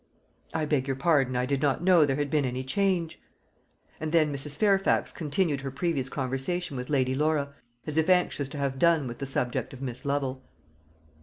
"I beg your pardon. I did not know there had been any change." And then Mrs. Fairfax continued her previous conversation with Lady Laura, as if anxious to have done with the subject of Miss Lovel.